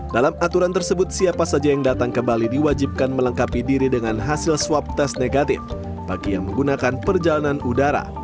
dalam aturan tersebut siapa saja yang datang ke bali diwajibkan melengkapi diri dengan hasil swab tes negatif bagi yang menggunakan perjalanan udara